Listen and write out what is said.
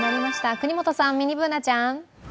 國本さん、ミニＢｏｏｎａちゃん。